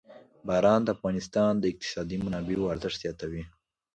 باران د افغانستان د اقتصادي منابعو ارزښت زیاتوي.